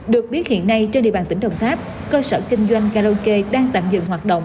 được biết hiện nay trên địa bàn tỉnh đồng tháp cơ sở kinh doanh karaoke đang tạm dừng hoạt động